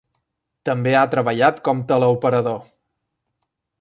També ha treballat com teleoperador.